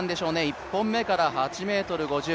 １本目から８ｍ５０。